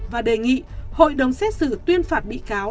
và đề nghị hội đồng xét xử tuyên phạt bị cáo